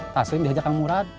tasun dihajakan murad